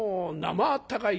まあったかい